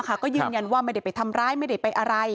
ก็ยืนยันว่าไม่ได้ไปทำร้ายไม่ได้ไปอะไร